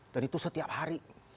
dan itu setiap hari